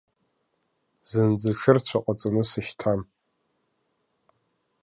Зынӡа ҽырцәа ҟаҵаны сышьҭан.